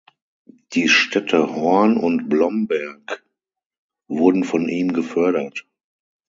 Die Städte Horn und Blomberg wurden von ihm gefördert.